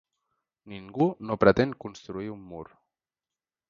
Ningú no pretén construir un mur.